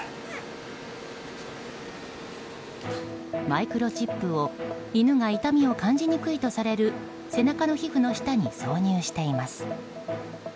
マイクロチップを犬が痛みを感じにくいとされる背中の皮膚の下に挿入しています。